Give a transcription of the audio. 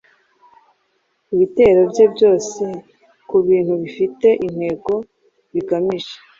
Ibitero bye byoe, kubintu bifite intego bigamije